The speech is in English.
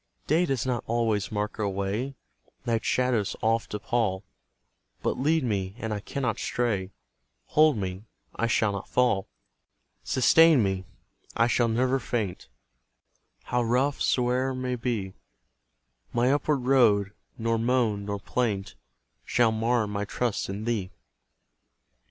Day does not always mark our way, Night's shadows oft appal, But lead me, and I cannot stray, Hold me, I shall not fall; Sustain me, I shall never faint, How rough soe'er may be My upward road, nor moan, nor plaint Shall mar my trust in thee.